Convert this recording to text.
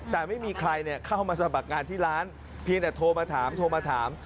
แต่ไม่มีใครเข้ามาสมัครงานที่ร้านเพียงแต่โทรมาถามโทรมาถาม